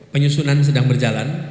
penyusunan sedang berjalan